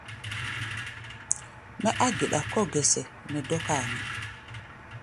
Mɛ́ á geɗa kɔ̧́ gɛsɛ nɛ dɔ́káa ná.